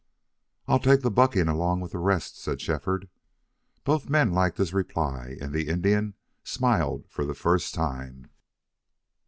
"I'll take the bucking along with the rest," said Shefford. Both men liked his reply, and the Indian smiled for the first time.